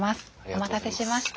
お待たせしました。